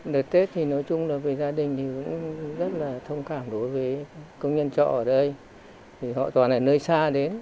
đợt tết thì nói chung là với gia đình thì cũng rất là thông cảm đối với công nhân trọ ở đây thì họ toàn ở nơi xa đến